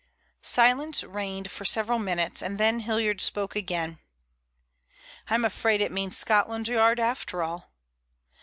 Silence reigned for several minutes and then Hilliard spoke again. "I'm afraid it means Scotland Yard after all."